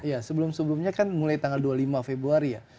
ya sebelum sebelumnya kan mulai tanggal dua puluh lima februari ya